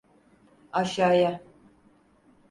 Aşağıya!